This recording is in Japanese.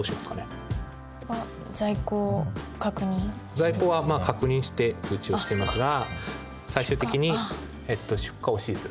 在庫はまあ確認して通知をしてますが最終的に出荷を指示する。